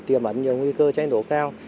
tìm ẩn nhiều nguy cơ cháy nổ cao